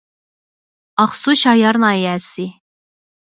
ئاقسۇ شايار ناھىيەسى